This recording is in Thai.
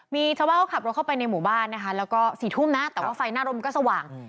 มีชาวบ้านเขาขับรถเข้าไปในหมู่บ้านนะคะแล้วก็๔ทุ่มนะแต่ว่าไฟหน้ารมก็สว่าง